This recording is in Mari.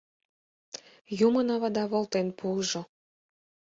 Юмынавада волтен пуыжо